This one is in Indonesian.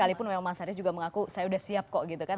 sekalipun memang mas haris juga mengaku saya sudah siap kok gitu kan